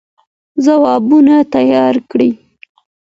ځوابونه تيار کړئ.